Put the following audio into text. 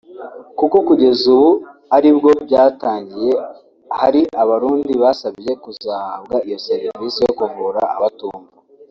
kuko kugeza ubu aribwo byatangiye hari Abarundi basabye kuzahabwa iyo serivise yo kuvura abatumva